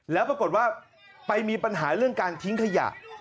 แล้วปรากฏว่าไปมีปัญหาเรื่องการทิ้งขยะ